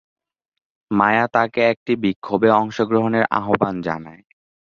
মায়া তাকে একটি বিক্ষোভে অংশগ্রহণের আহবান জানায়।